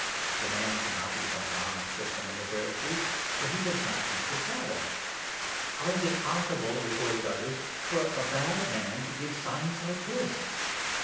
'' The man cannot be from God, " said some of the Pharisees, 16 " for he does not keep the Sabbath." " How is it possible," retorted others, " for a bad man to give signs like this